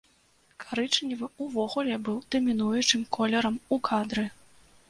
Карычневы ўвогуле быў дамінуючым колерам у кадры.